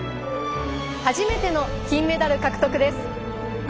初めての金メダル獲得です。